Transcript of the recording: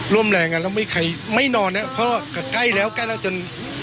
ร่วมแรงกันแล้วไม่ใครไม่นอนนะเพราะว่าใกล้แล้วใกล้แล้วจน